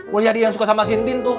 mulyadi yang suka sama si intin tuh